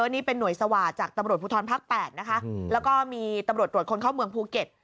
นี่เป็นหน่วยสวาสตจากตำรวจภูทรภาค๘นะคะแล้วก็มีตำรวจตรวจคนเข้าเมืองภูเก็ต